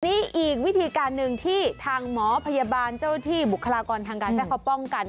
นี่อีกวิธีการหนึ่งที่ทางหมอพยาบาลเจ้าที่บุคลากรทางการแพทย์เขาป้องกัน